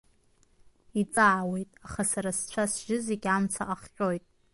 Иҵаауеит, аха сара сцәасжьы зегьы амца ахҟьоит.